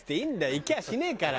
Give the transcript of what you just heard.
行きゃしねえから。